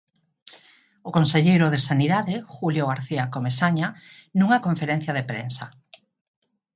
O conselleiro de Sanidade, Julio García Comesaña, nunha conferencia de prensa.